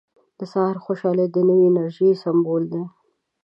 • د سهار خوشحالي د نوې انرژۍ سمبول دی.